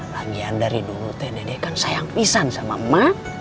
lagian dari dulu teh dede kan sayang pisar sama emak